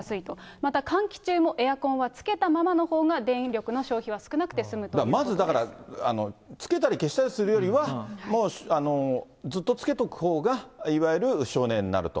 また換気中もエアコンはつけたままのほうが、まずだから、つけたり消したりするよりは、もうずっとつけておくほうが、いわゆる省エネになると。